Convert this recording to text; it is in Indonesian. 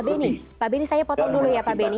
pak beni pak beni saya potong dulu ya pak beni